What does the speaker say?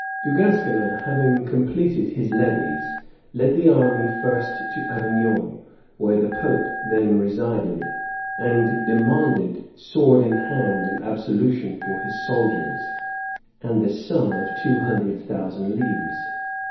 Du Guesclin, having completed his levies, led the army first to Avignon, where the pope then resided, and demanded, sword in hand, an absolution for his soldiers, and the sum of two hundred thousand livres.